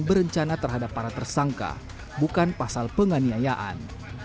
berencana terhadap para tersangka bukan pasal penganiayaan